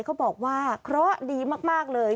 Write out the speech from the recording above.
เขาบอกว่าเคราะห์ดีมากเลย